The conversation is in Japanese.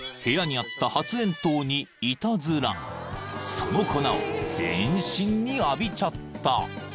［その粉を全身に浴びちゃった］